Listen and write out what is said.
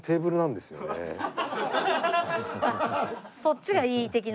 そっちがいい的な？